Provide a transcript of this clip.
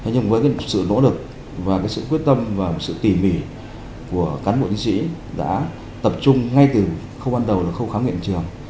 nhưng với sự nỗ lực quyết tâm và tỉ mỉ của cán bộ chính sĩ đã tập trung ngay từ khâu ban đầu khám nghiệm trường